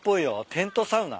テントサウナ？